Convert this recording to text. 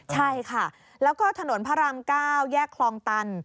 ใช่ค่ะแล้วก็ถนนพระราม๙แยกคลองตัน